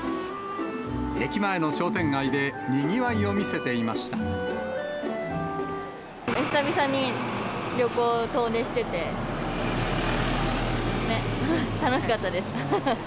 駅前の商店街でにぎわいを見せて久々に旅行、遠出してて、楽しかったです。